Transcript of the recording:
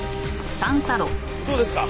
どうですか？